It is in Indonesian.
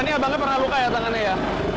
ini abangnya pernah luka ya tangannya ya